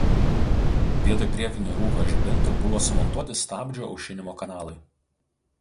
Vietoj priekinių rūko žibintų buvo sumontuoti stabdžių aušinimo kanalai.